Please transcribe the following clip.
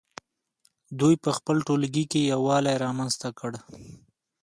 دوی په خپل ټولګي کې یووالی رامنځته کړ.